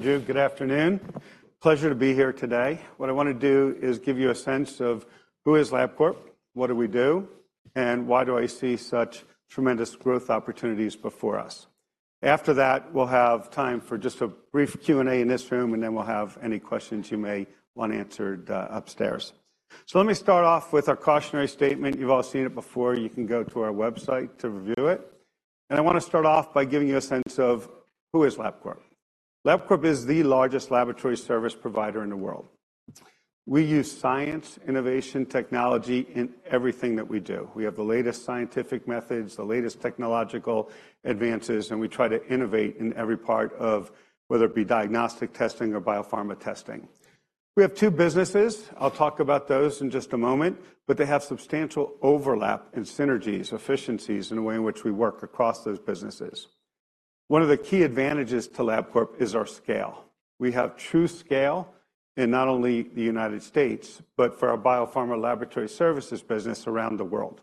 Thank you. Good afternoon. Pleasure to be here today. What I want to do is give you a sense of who is Labcorp, what do we do, and why do I see such tremendous growth opportunities before us? After that, we'll have time for just a brief Q&A in this room, and then we'll have any questions you may want answered, upstairs. Let me start off with our cautionary statement. You've all seen it before. You can go to our website to review it, and I want to start off by giving you a sense of who is Labcorp. Labcorp is the largest laboratory service provider in the world. We use science, innovation, technology in everything that we do. We have the latest scientific methods, the latest technological advances, and we try to innovate in every part of whether it be diagnostic testing or biopharma testing. We have two businesses. I'll talk about those in just a moment, but they have substantial overlap and synergies, efficiencies in the way in which we work across those businesses. One of the key advantages to Labcorp is our scale. We have true scale in not only the United States, but for our Biopharma Laboratory Services business around the world.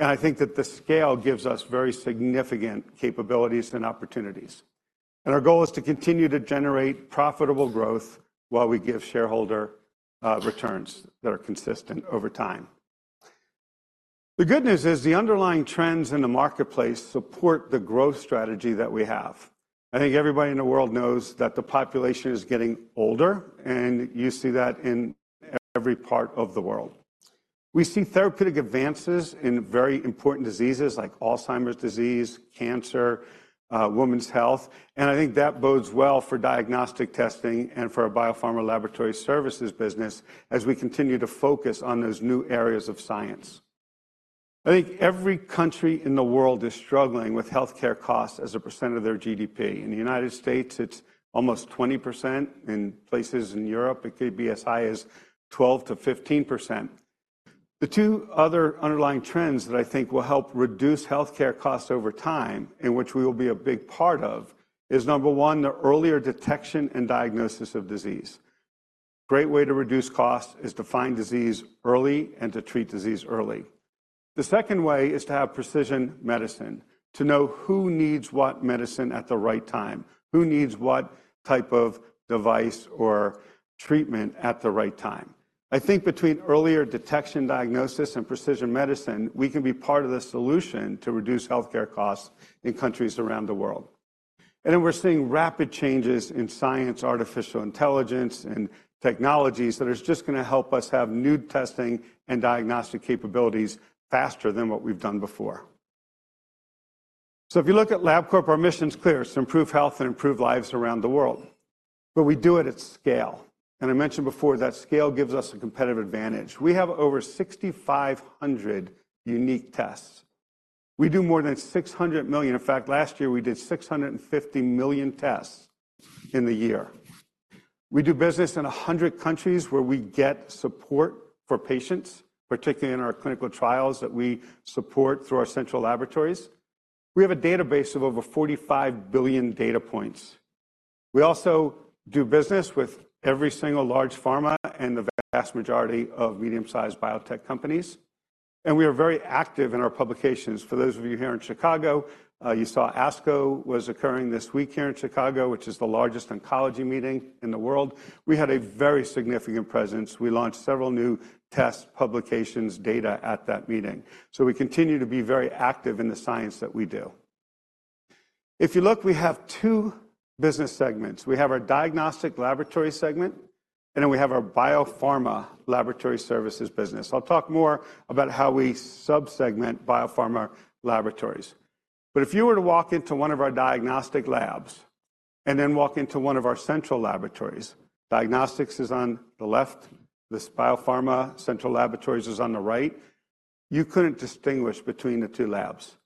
I think that the scale gives us very significant capabilities and opportunities. Our goal is to continue to generate profitable growth while we give shareholder returns that are consistent over time. The good news is the underlying trends in the marketplace support the growth strategy that we have. I think everybody in the world knows that the population is getting older, and you see that in every part of the world. We see therapeutic advances in very important diseases like Alzheimer's disease, cancer, women's health, and I think that bodes well for diagnostic testing and for our Biopharma Laboratory Services business as we continue to focus on those new areas of science. I think every country in the world is struggling with healthcare costs as a percent of their GDP. In the United States, it's almost 20%. In places in Europe, it could be as high as 12%-15%. The two other underlying trends that I think will help reduce healthcare costs over time, and which we will be a big part of, is, number one, the earlier detection and diagnosis of disease. Great way to reduce cost is to find disease early and to treat disease early. The second way is to have precision medicine, to know who needs what medicine at the right time, who needs what type of device or treatment at the right time. I think between earlier detection, diagnosis, and precision medicine, we can be part of the solution to reduce healthcare costs in countries around the world. And then we're seeing rapid changes in science, artificial intelligence, and technologies that is just going to help us have new testing and diagnostic capabilities faster than what we've done before. So if you look at Labcorp, our mission is clear: to improve health and improve lives around the world. But we do it at scale, and I mentioned before that scale gives us a competitive advantage. We have over 6,500 unique tests. We do more than 600 million... In fact, last year, we did 650 million tests in the year. We do business in 100 countries where we get support for patients, particularly in our clinical trials that we support through our central laboratories. We have a database of over 45 billion data points. We also do business with every single large pharma and the vast majority of medium-sized biotech companies, and we are very active in our publications. For those of you here in Chicago, you saw ASCO was occurring this week here in Chicago, which is the largest oncology meeting in the world. We had a very significant presence. We launched several new tests, publications, data at that meeting. So we continue to be very active in the science that we do. If you look, we have two business segments. We have our diagnostic laboratory segment, and then we have our Biopharma Laboratory Services business. I'll talk more about how we subsegment biopharma laboratories. But if you were to walk into one of our diagnostic labs and then walk into one of our central laboratories, diagnostics is on the left, this biopharma central laboratories is on the right, you couldn't distinguish between the two labs.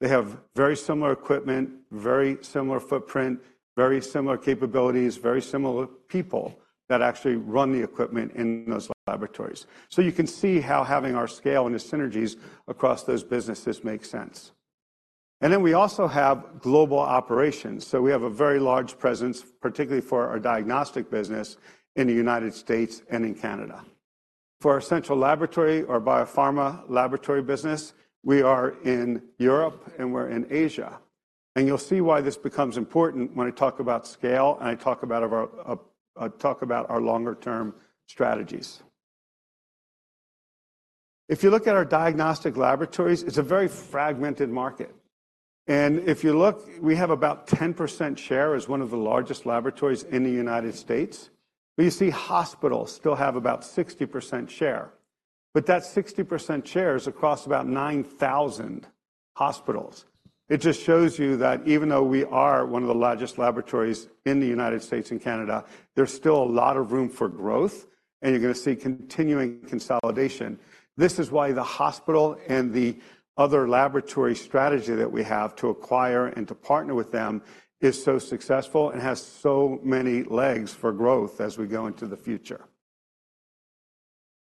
They have very similar equipment, very similar footprint, very similar capabilities, very similar people that actually run the equipment in those laboratories. So you can see how having our scale and the synergies across those businesses makes sense. And then we also have global operations. So we have a very large presence, particularly for our diagnostic business, in the United States and in Canada. For our central laboratory or biopharma laboratory business, we are in Europe and we're in Asia, and you'll see why this becomes important when I talk about scale and I talk about of our, talk about our longer-term strategies. If you look at our diagnostic laboratories, it's a very fragmented market. And if you look, we have about 10% share as one of the largest laboratories in the United States. But you see hospitals still have about 60% share, but that 60% share is across about 9,000 hospitals. It just shows you that even though we are one of the largest laboratories in the United States and Canada, there's still a lot of room for growth, and you're going to see continuing consolidation. This is why the hospital and the other laboratory strategy that we have to acquire and to partner with them is so successful and has so many legs for growth as we go into the future.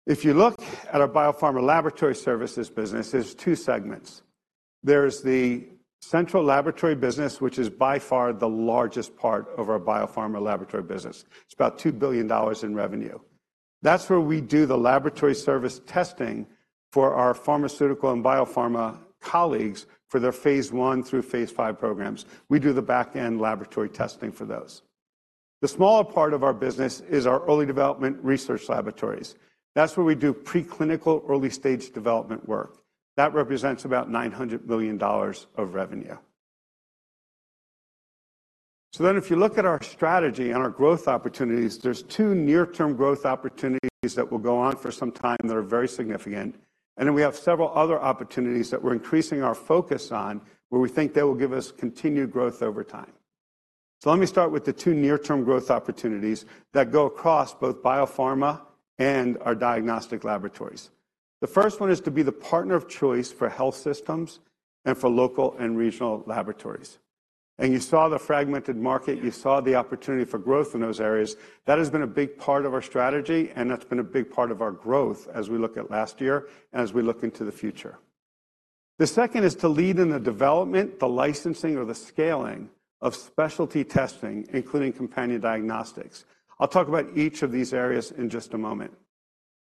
If you look at our Biopharma Laboratory Services business, there's two segments. There's the central laboratory business, which is by far the largest part of our biopharma laboratory business. It's about $2 billion in revenue. That's where we do the laboratory service testing for our pharmaceutical and biopharma colleagues for their phase I through phase V programs. We do the back-end laboratory testing for those. The smaller part of our business is our early development research laboratories. That's where we do preclinical, early-stage development work. That represents about $900 million of revenue. So then, if you look at our strategy and our growth opportunities, there's two near-term growth opportunities that will go on for some time that are very significant, and then we have several other opportunities that we're increasing our focus on, where we think they will give us continued growth over time. So let me start with the two near-term growth opportunities that go across both biopharma and our diagnostic laboratories. The first one is to be the partner of choice for health systems and for local and regional laboratories. And you saw the fragmented market, you saw the opportunity for growth in those areas. That has been a big part of our strategy, and that's been a big part of our growth as we look at last year and as we look into the future. The second is to lead in the development, the licensing, or the scaling of specialty testing, including companion diagnostics. I'll talk about each of these areas in just a moment.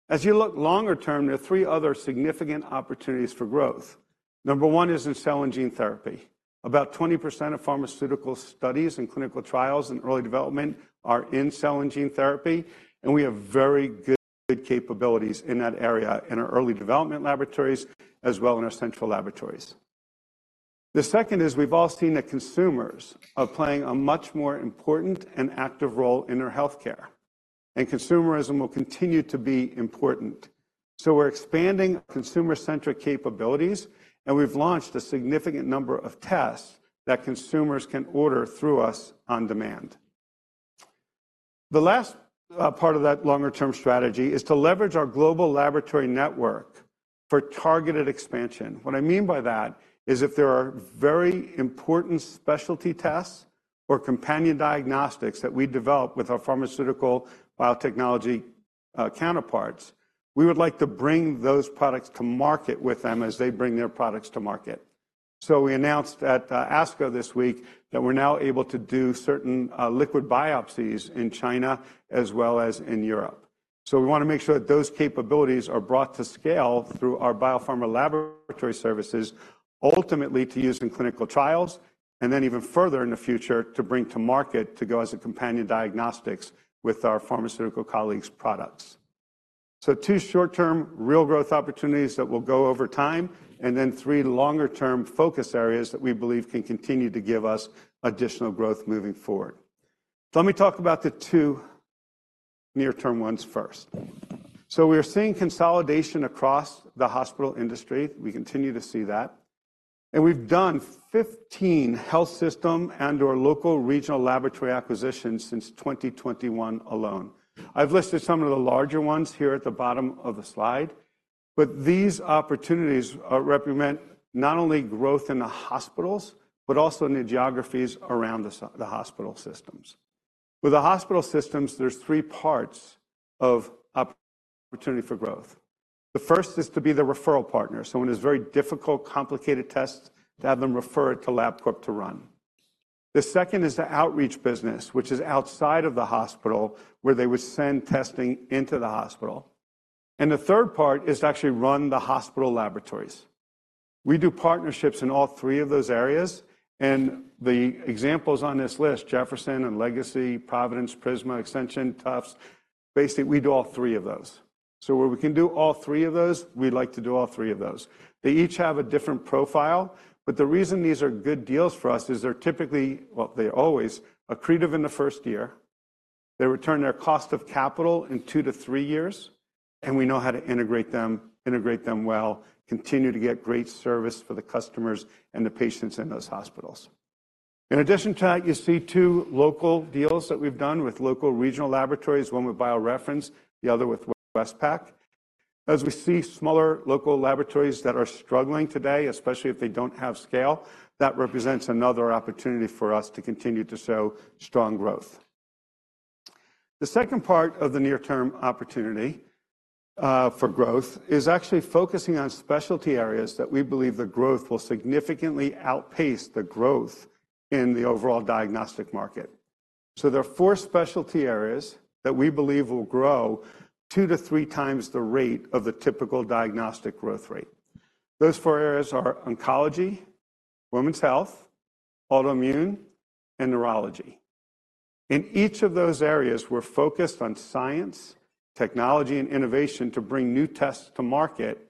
As you look longer term, there are three other significant opportunities for growth. Number one is in cell and gene therapy. About 20% of pharmaceutical studies and clinical trials in early development are in cell and gene therapy, and we have very good capabilities in that area, in our early development laboratories, as well in our central laboratories. The second is we've all seen that consumers are playing a much more important and active role in their healthcare, and consumerism will continue to be important. So we're expanding consumer-centric capabilities, and we've launched a significant number of tests that consumers can order through us on demand. The last part of that longer-term strategy is to leverage our global laboratory network for targeted expansion. What I mean by that is if there are very important specialty tests or companion diagnostics that we develop with our pharmaceutical biotechnology counterparts, we would like to bring those products to market with them as they bring their products to market. So we announced at ASCO this week that we're now able to do certain liquid biopsies in China as well as in Europe. So we wanna make sure that those capabilities are brought to scale through our Biopharma Laboratory Services, ultimately, to use in clinical trials, and then even further in the future, to bring to market to go as a companion diagnostics with our pharmaceutical colleagues' products. So two short-term, real growth opportunities that will go over time, and then three longer-term focus areas that we believe can continue to give us additional growth moving forward. So let me talk about the two near-term ones first. So we are seeing consolidation across the hospital industry. We continue to see that, and we've done 15 health system and/or local regional laboratory acquisitions since 2021 alone. I've listed some of the larger ones here at the bottom of the slide, but these opportunities represent not only growth in the hospitals, but also in the geographies around the hospital systems. With the hospital systems, there's three parts of opportunity for growth. The first is to be the referral partner, so when it's very difficult, complicated tests, to have them referred to Labcorp to run. The second is the outreach business, which is outside of the hospital, where they would send testing into the hospital. The third part is to actually run the hospital laboratories. We do partnerships in all three of those areas, and the examples on this list, Jefferson and Legacy, Providence, Prisma, Ascension, Tufts, basically, we do all three of those. So where we can do all three of those, we like to do all three of those. They each have a different profile, but the reason these are good deals for us is they're typically... Well, they're always accretive in the first year. They return their cost of capital in two to three years, and we know how to integrate them, integrate them well, continue to get great service for the customers and the patients in those hospitals. In addition to that, you see two local deals that we've done with local regional laboratories, one with BioReference, the other with WestPac. As we see smaller local laboratories that are struggling today, especially if they don't have scale, that represents another opportunity for us to continue to show strong growth. The second part of the near-term opportunity, for growth is actually focusing on specialty areas that we believe the growth will significantly outpace the growth in the overall diagnostic market. So there are four specialty areas that we believe will grow two to three times the rate of the typical diagnostic growth rate. Those four areas are oncology, women's health, autoimmune, and neurology. In each of those areas, we're focused on science, technology, and innovation to bring new tests to market,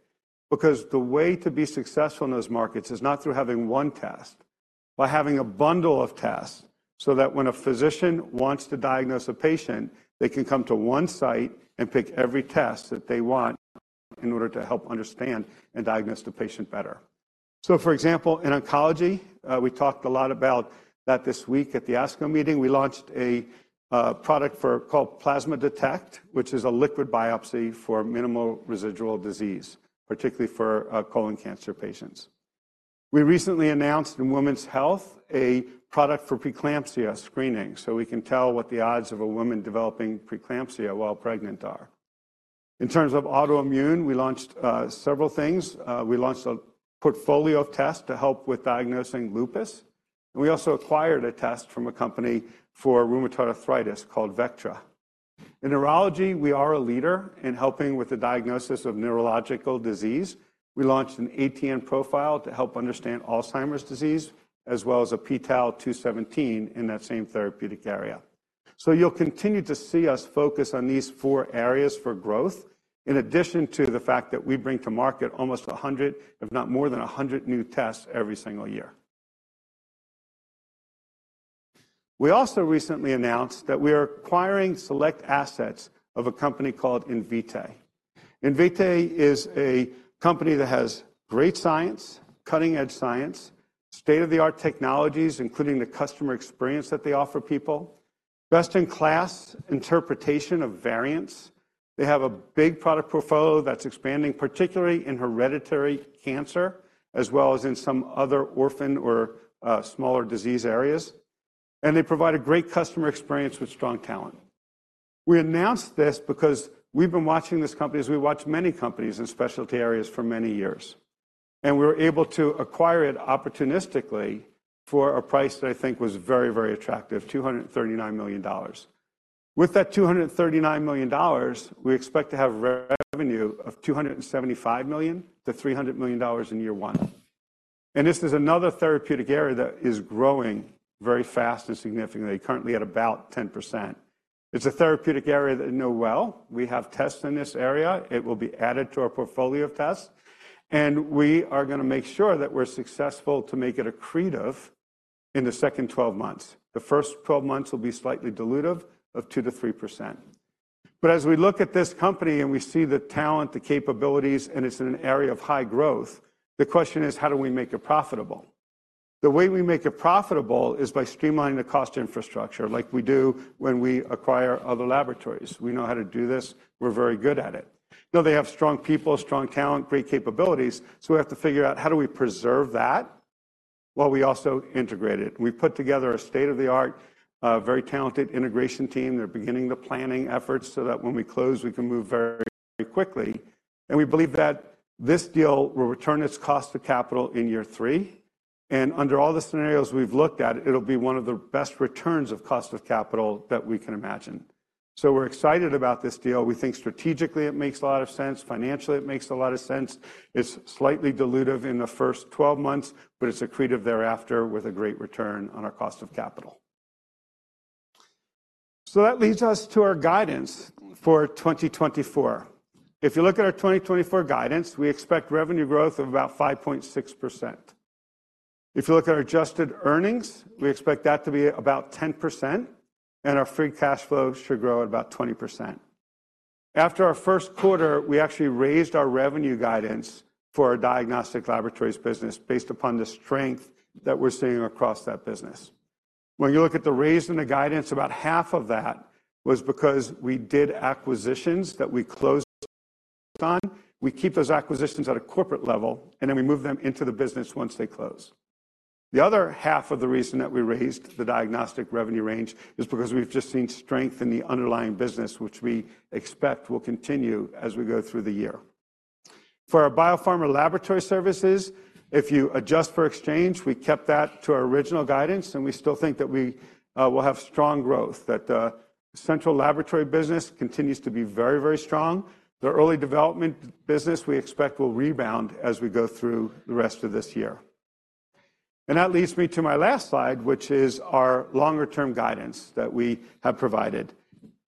because the way to be successful in those markets is not through having one test, by having a bundle of tests, so that when a physician wants to diagnose a patient, they can come to one site and pick every test that they want in order to help understand and diagnose the patient better. So, for example, in oncology, we talked a lot about that this week at the ASCO meeting. We launched a product called Plasma Detect, which is a liquid biopsy for minimal residual disease, particularly for colon cancer patients. We recently announced in women's health a product for preeclampsia screening, so we can tell what the odds of a woman developing preeclampsia while pregnant are. In terms of autoimmune, we launched several things. We launched a portfolio of tests to help with diagnosing lupus. We also acquired a test from a company for rheumatoid arthritis called Vectra. In neurology, we are a leader in helping with the diagnosis of neurological disease. We launched an ATN Profile to help understand Alzheimer's disease, as well as a pTau-217 in that same therapeutic area. So you'll continue to see us focus on these four areas for growth, in addition to the fact that we bring to market almost 100, if not more than 100, new tests every single year. We also recently announced that we are acquiring select assets of a company called Invitae. Invitae is a company that has great science, cutting-edge science, state-of-the-art technologies, including the customer experience that they offer people, best-in-class interpretation of variants. They have a big product portfolio that's expanding, particularly in hereditary cancer, as well as in some other orphan or smaller disease areas. And they provide a great customer experience with strong talent. We announced this because we've been watching this company, as we watch many companies in specialty areas, for many years, and we were able to acquire it opportunistically for a price that I think was very, very attractive, $239 million. With that $239 million, we expect to have revenue of $275 million-$300 million in year one. And this is another therapeutic area that is growing very fast and significantly, currently at about 10%. It's a therapeutic area that we know well. We have tests in this area. It will be added to our portfolio of tests, and we are gonna make sure that we're successful to make it accretive in the second 12 months. The first 12 months will be slightly dilutive of 2%-3%. But as we look at this company and we see the talent, the capabilities, and it's in an area of high growth, the question is: How do we make it profitable? The way we make it profitable is by streamlining the cost infrastructure, like we do when we acquire other laboratories. We know how to do this. We're very good at it. Now, they have strong people, strong talent, great capabilities, so we have to figure out, how do we preserve that while we also integrate it? We've put together a state-of-the-art, very talented integration team. They're beginning the planning efforts so that when we close, we can move very quickly. We believe that this deal will return its cost to capital in year three, and under all the scenarios we've looked at, it'll be one of the best returns of cost of capital that we can imagine. We're excited about this deal. We think strategically, it makes a lot of sense. Financially, it makes a lot of sense. It's slightly dilutive in the first 12 months, but it's accretive thereafter, with a great return on our cost of capital. That leads us to our guidance for 2024. If you look at our 2024 guidance, we expect revenue growth of about 5.6%. If you look at our adjusted earnings, we expect that to be about 10%, and our free cash flow should grow at about 20%. After our first quarter, we actually raised our revenue guidance for our diagnostic laboratories business based upon the strength that we're seeing across that business. When you look at the reason, the guidance, about half of that was because we did acquisitions that we closed on. We keep those acquisitions at a corporate level, and then we move them into the business once they close. The other half of the reason that we raised the diagnostic revenue range is because we've just seen strength in the underlying business, which we expect will continue as we go through the year. For our Biopharma Laboratory Services, if you adjust for exchange, we kept that to our original guidance, and we still think that we will have strong growth, that the central laboratory business continues to be very, very strong. The early development business, we expect, will rebound as we go through the rest of this year. And that leads me to my last slide, which is our longer-term guidance that we have provided.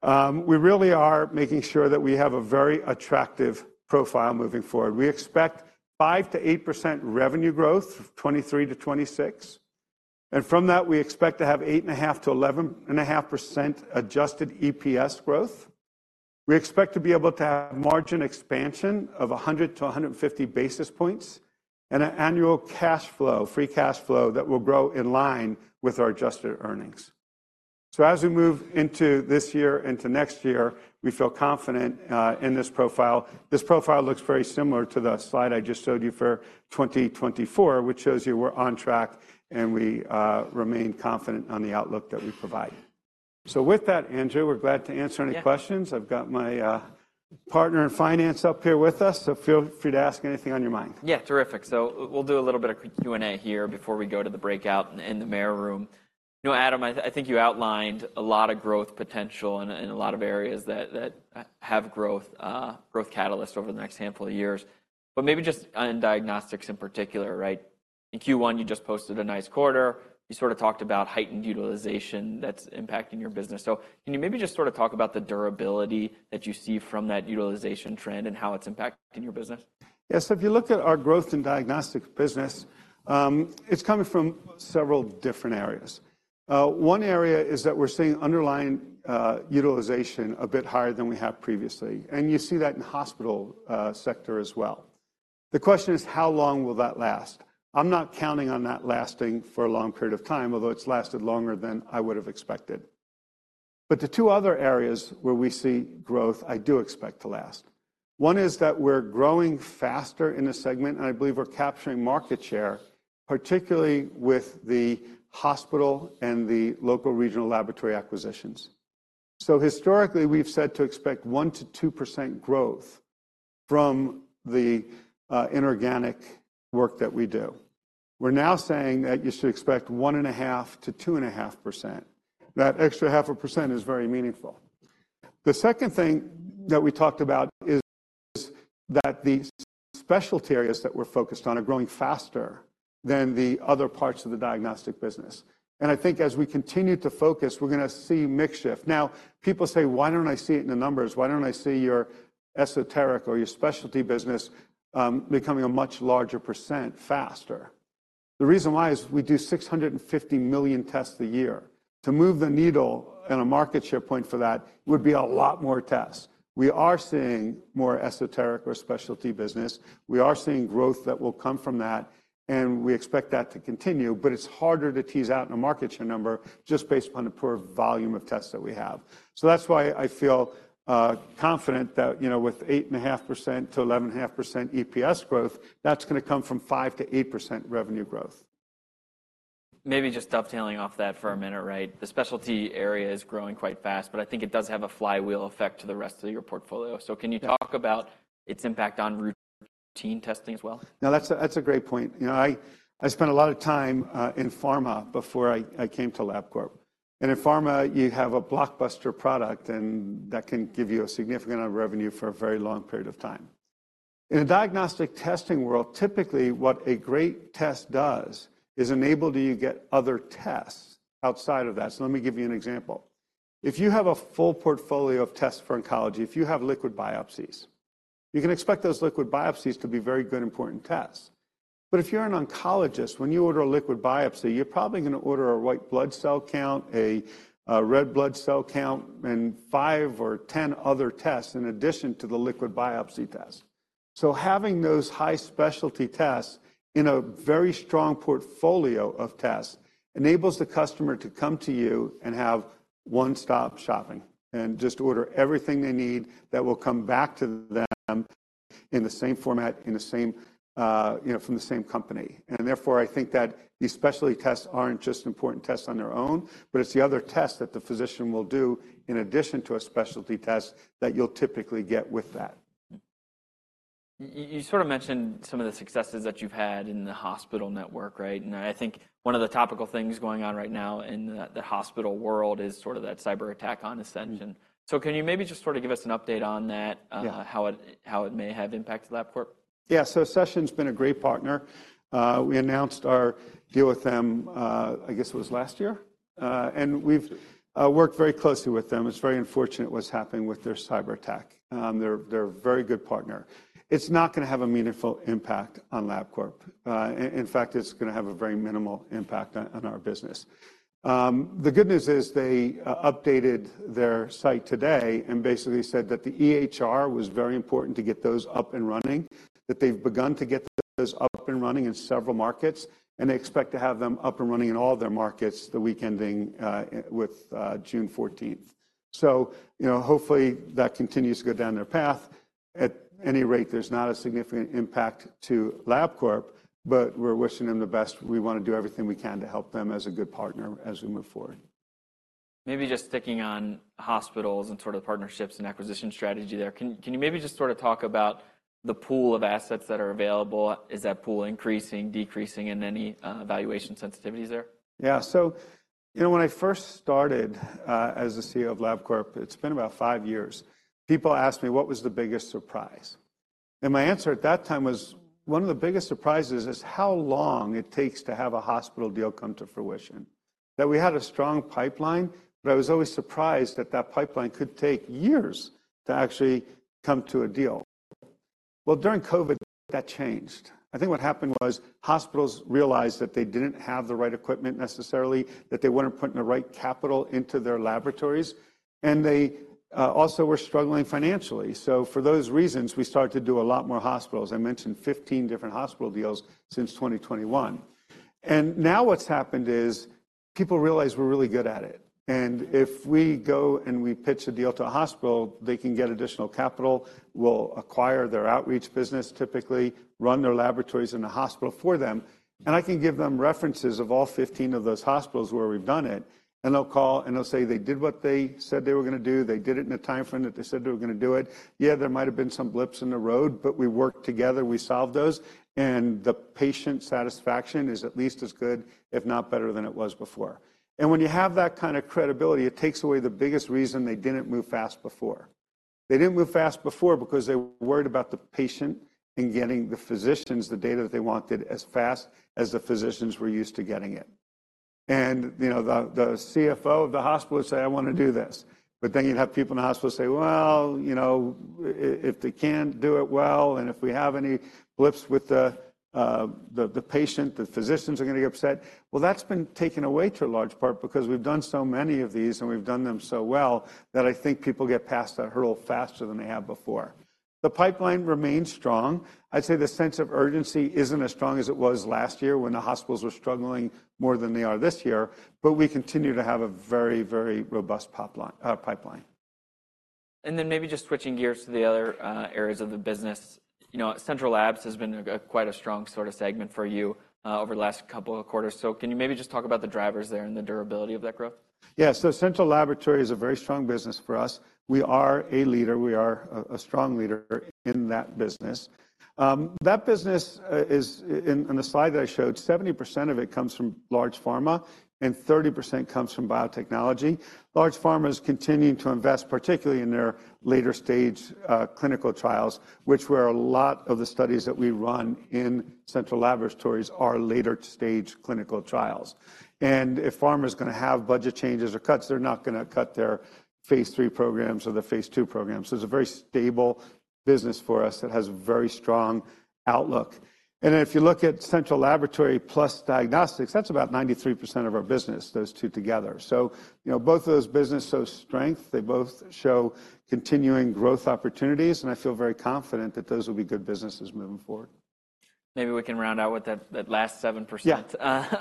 We really are making sure that we have a very attractive profile moving forward. We expect 5%-8% revenue growth, 2023-2026, and from that, we expect to have 8.5%-11.5% adjusted EPS growth. We expect to be able to have margin expansion of 100-150 basis points and an annual cash flow, free cash flow, that will grow in line with our adjusted earnings. So as we move into this year, into next year, we feel confident in this profile. This profile looks very similar to the slide I just showed you for 2024, which shows you we're on track and we remain confident on the outlook that we provided. So with that, Andrew, we're glad to answer any questions. Yeah. I've got my partner in finance up here with us, so feel free to ask anything on your mind. Yeah, terrific. So we'll do a little bit of Q&A here before we go to the breakout in the Mayer room. You know, Adam, I think you outlined a lot of growth potential in a lot of areas that have growth catalysts over the next handful of years. But maybe just on diagnostics in particular, right? In Q1, you just posted a nice quarter. You sort of talked about heightened utilization that's impacting your business. So can you maybe just sort of talk about the durability that you see from that utilization trend and how it's impacting your business? Yes, so if you look at our growth in diagnostics business, it's coming from several different areas. One area is that we're seeing underlying utilization a bit higher than we have previously, and you see that in the hospital sector as well. The question is: How long will that last? I'm not counting on that lasting for a long period of time, although it's lasted longer than I would have expected. But the two other areas where we see growth I do expect to last, one is that we're growing faster in a segment, and I believe we're capturing market share, particularly with the hospital and the local regional laboratory acquisitions. So historically, we've said to expect 1%-2% growth from the inorganic work that we do. We're now saying that you should expect 1.5%-2.5%. That extra 0.5% is very meaningful. The second thing that we talked about is that the specialty areas that we're focused on are growing faster than the other parts of the diagnostic business, and I think as we continue to focus, we're gonna see mix shift. Now, people say: Why don't I see it in the numbers? Why don't I see your esoteric or your specialty business, becoming a much larger percent faster? The reason why is we do 650 million tests a year. To move the needle and a market share point for that would be a lot more tests. We are seeing more esoteric or specialty business. We are seeing growth that will come from that, and we expect that to continue, but it's harder to tease out in a market share number just based upon the pure volume of tests that we have. So that's why I feel confident that, you know, with 8.5%-11.5% EPS growth, that's gonna come from 5%-8% revenue growth. Maybe just dovetailing off that for a minute, right? The specialty area is growing quite fast, but I think it does have a flywheel effect to the rest of your portfolio. Yeah. So can you talk about its impact on routine testing as well? Now, that's a great point. You know, I spent a lot of time in pharma before I came to Labcorp, and in pharma, you have a blockbuster product, and that can give you a significant amount of revenue for a very long period of time. In a diagnostic testing world, typically, what a great test does is enable you to get other tests outside of that. So let me give you an example. If you have a full portfolio of tests for oncology, if you have liquid biopsies, you can expect those liquid biopsies to be very good, important tests. But if you're an oncologist, when you order a liquid biopsy, you're probably gonna order a white blood cell count, a red blood cell count, and five or 10 other tests in addition to the liquid biopsy test. So having those high specialty tests in a very strong portfolio of tests enables the customer to come to you and have one-stop shopping and just order everything they need that will come back to them in the same format, in the same, you know, from the same company. And therefore, I think that these specialty tests aren't just important tests on their own, but it's the other tests that the physician will do in addition to a specialty test that you'll typically get with that. You sort of mentioned some of the successes that you've had in the hospital network, right? And I think one of the topical things going on right now in the hospital world is sort of that cyber attack on Ascension. Mm. Can you maybe just sort of give us an update on that? Yeah... how it may have impacted Labcorp? Yeah. So Ascension's been a great partner. We announced our deal with them, I guess it was last year, and we've worked very closely with them. It's very unfortunate what's happening with their cyberattack. They're a very good partner. It's not gonna have a meaningful impact on Labcorp. In fact, it's gonna have a very minimal impact on our business. The good news is they updated their site today and basically said that the EHR was very important to get those up and running, that they've begun to get those up and running in several markets, and they expect to have them up and running in all their markets the week ending with June fourteenth. So, you know, hopefully, that continues to go down their path. At any rate, there's not a significant impact to Labcorp, but we're wishing them the best. We wanna do everything we can to help them as a good partner as we move forward. Maybe just sticking on hospitals and sort of partnerships and acquisition strategy there. Can you maybe just sort of talk about the pool of assets that are available? Is that pool increasing, decreasing, and any valuation sensitivities there? Yeah. So, you know, when I first started, as the CEO of Labcorp, it's been about five years, people asked me: What was the biggest surprise? And my answer at that time was, "One of the biggest surprises is how long it takes to have a hospital deal come to fruition." That we had a strong pipeline, but I was always surprised that that pipeline could take years to actually come to a deal. Well, during COVID, that changed. I think what happened was hospitals realized that they didn't have the right equipment necessarily, that they weren't putting the right capital into their laboratories, and they also were struggling financially. So for those reasons, we started to do a lot more hospitals. I mentioned 15 different hospital deals since 2021. Now what's happened is people realize we're really good at it, and if we go and we pitch a deal to a hospital, they can get additional capital. We'll acquire their outreach business, typically run their laboratories in a hospital for them, and I can give them references of all 15 of those hospitals where we've done it. And they'll call, and they'll say they did what they said they were gonna do. They did it in a timeframe that they said they were gonna do it. Yeah, there might have been some blips in the road, but we worked together, we solved those, and the patient satisfaction is at least as good, if not better than it was before. And when you have that kind of credibility, it takes away the biggest reason they didn't move fast before. They didn't move fast before because they were worried about the patient and getting the physicians the data that they wanted as fast as the physicians were used to getting it. And, you know, the CFO of the hospital would say, "I want to do this." But then you'd have people in the hospital say: "Well, you know, if they can't do it well, and if we have any blips with the patient, the physicians are gonna get upset." Well, that's been taken away to a large part because we've done so many of these, and we've done them so well that I think people get past that hurdle faster than they have before. The pipeline remains strong. I'd say the sense of urgency isn't as strong as it was last year when the hospitals were struggling more than they are this year, but we continue to have a very, very robust pipeline.... And then maybe just switching gears to the other areas of the business. You know, Central Labs has been quite a strong sort of segment for you over the last couple of quarters. So can you maybe just talk about the drivers there and the durability of that growth? Yeah, so Central Laboratory is a very strong business for us. We are a leader, we are a strong leader in that business. That business is in the slide that I showed, 70% of it comes from large pharma and 30% comes from biotechnology. Large pharma is continuing to invest, particularly in their later-stage clinical trials, where a lot of the studies that we run in Central Laboratories are later-stage clinical trials. And if pharma's gonna have budget changes or cuts, they're not gonna cut their phase III programs or their phase II programs. So it's a very stable business for us that has a very strong outlook. And if you look at Central Laboratory plus diagnostics, that's about 93% of our business, those two together. You know, both of those businesses show strength, they both show continuing growth opportunities, and I feel very confident that those will be good businesses moving forward. Maybe we can round out with that, that last 7%- Yeah...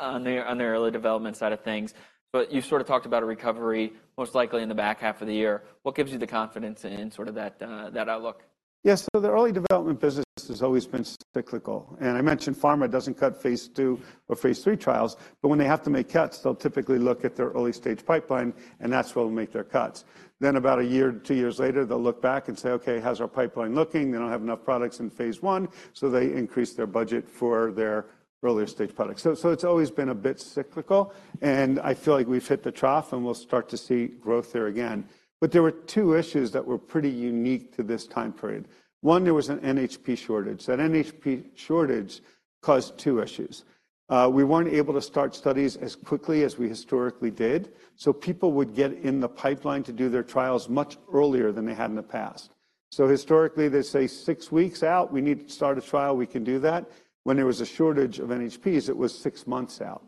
on the early development side of things. But you sort of talked about a recovery, most likely in the back half of the year. What gives you the confidence in sort of that, that outlook? Yeah, so the early development business has always been cyclical, and I mentioned pharma doesn't cut phase II or phase III trials, but when they have to make cuts, they'll typically look at their early-stage pipeline, and that's where they'll make their cuts. Then about a year to two years later, they'll look back and say, "Okay, how's our pipeline looking? They don't have enough products in phase I," so they increase their budget for their earlier-stage products. So, so it's always been a bit cyclical, and I feel like we've hit the trough, and we'll start to see growth there again. But there were two issues that were pretty unique to this time period. One, there was an NHP shortage. That NHP shortage caused two issues. We weren't able to start studies as quickly as we historically did, so people would get in the pipeline to do their trials much earlier than they had in the past. So historically, they'd say, "Six weeks out, we need to start a trial. We can do that." When there was a shortage of NHPs, it was six months out.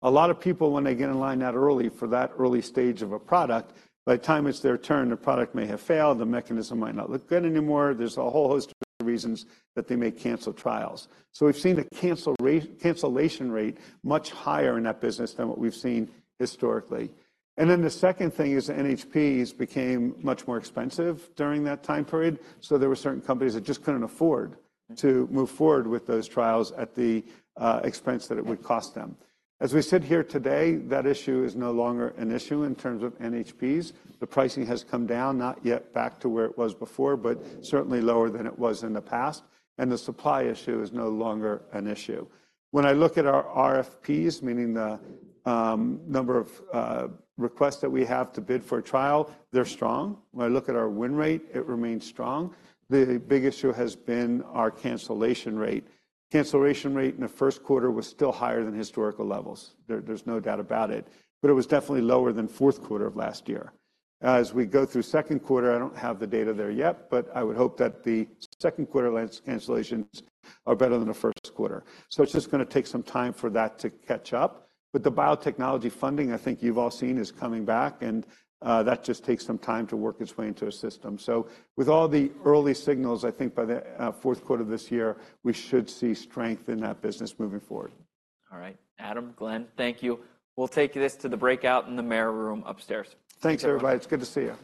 A lot of people, when they get in line that early for that early stage of a product, by the time it's their turn, the product may have failed, the mechanism might not look good anymore. There's a whole host of reasons that they may cancel trials. So we've seen the cancel rate, cancellation rate much higher in that business than what we've seen historically. And then the second thing is the NHPs became much more expensive during that time period, so there were certain companies that just couldn't afford to move forward with those trials at the expense that it would cost them. As we sit here today, that issue is no longer an issue in terms of NHPs. The pricing has come down, not yet back to where it was before, but certainly lower than it was in the past, and the supply issue is no longer an issue. When I look at our RFPs, meaning the number of requests that we have to bid for a trial, they're strong. When I look at our win rate, it remains strong. The big issue has been our cancellation rate. Cancellation rate in the first quarter was still higher than historical levels. There, there's no doubt about it, but it was definitely lower than fourth quarter of last year. As we go through second quarter, I don't have the data there yet, but I would hope that the second quarter client cancellations are better than the first quarter. So it's just gonna take some time for that to catch up, but the biotechnology funding, I think you've all seen, is coming back, and that just takes some time to work its way into our system. So with all the early signals, I think by the fourth quarter of this year, we should see strength in that business moving forward. All right, Adam, Glenn, thank you. We'll take this to the breakout in the Mayer room upstairs. Thanks, everybody. It's good to see you.